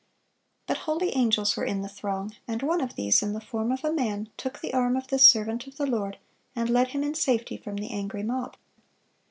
But holy angels were in the throng, and one of these, in the form of a man, took the arm of this servant of the Lord, and led him in safety from the angry mob.